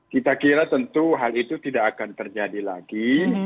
kita kira tentu hal itu tidak akan terjadi lagi